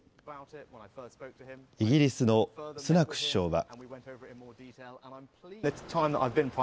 イギリスのスナク首相は。